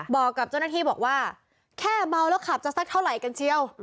บอกกับเจ้าหน้าที่บอกว่าแค่เมาแล้วขับจะสักเท่าไหร่กันเชียว